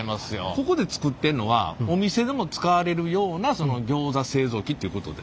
ここで作ってんのはお店でも使われるようなギョーザ製造機っていうことで。